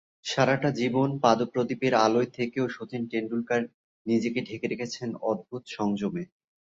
সারাটা জীবন পাদপ্রদীপের আলোয় থেকেও শচীন টেন্ডুলকার নিজেকে ঢেকে রেখেছেন অদ্ভুত সংযমে।